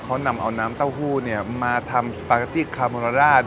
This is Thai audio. เขานำเอาน้ำเต้าหู้เนี่ยมาทำสปาแกตี้คาเมอราด